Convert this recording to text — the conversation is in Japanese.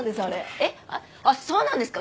えっそうなんですか？